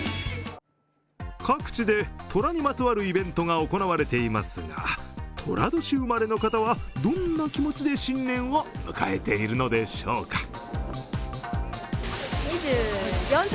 各地でとらにまつわるイベントが行われていますがとら年生まれの方は、どんな気持ちで新年を迎えているのでしょうか。